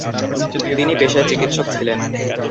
তিনি পেশায় চিকিৎসক ছিলেন।